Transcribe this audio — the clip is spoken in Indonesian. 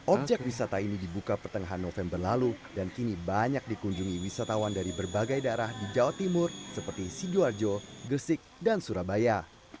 objek wisata ini dibuka pertengahan november lalu dan kini banyak dikunjungi wisatawan dari berbagai daerah di jawa timur seperti sidoarjo gresik dan surabaya